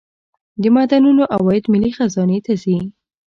د معدنونو عواید ملي خزانې ته ځي